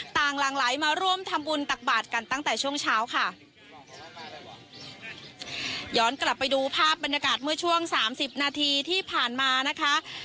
หลังไหลมาร่วมทำบุญตักบาทกันตั้งแต่ช่วงเช้าค่ะย้อนกลับไปดูภาพบรรยากาศเมื่อช่วงสามสิบนาทีที่ผ่านมานะคะ